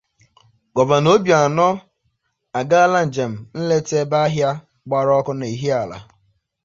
Gọvanọ Obianọ Agaala Njem Nleta Ebe Ahịa Gbara Ọkụ n'Ihiala